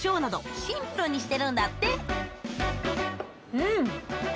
うん！